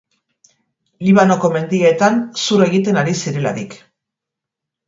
Libanoko mendietan zur egiten ari zirelarik.